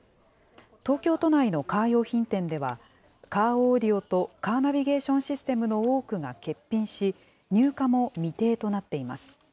東京都内のカー用品店では、カーオーディオとカーナビゲーションシステムの多くが欠品し、入荷も未定となっています。